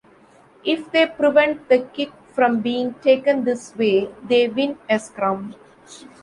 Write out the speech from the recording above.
If they prevent the kick from being taken this way, they win a scrum.